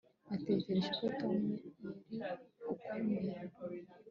Natekereje ko Tom yari ukomeye